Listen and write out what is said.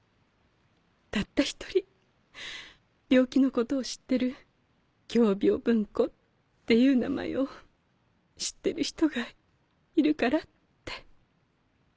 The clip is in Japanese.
たった一人病気のことを知ってる共病文庫っていう名前を知ってる人がいるからって。